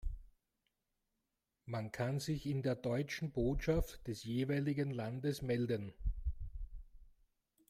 Man kann sich in der deutschen Botschaft des jeweiligen Landes melden.